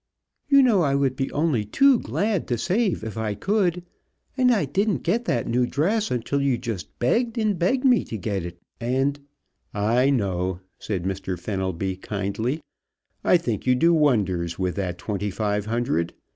You know I would be only too glad to save, if I could, and I didn't get that new dress until you just begged and begged me to get it, and " "I know," said Mr. Fenelby, kindly. "I think you do wonders with that twenty five hundred.